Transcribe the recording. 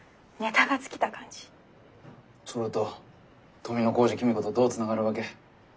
それと富小路公子とどうつながるわけ？